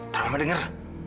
tidak mau aku dengar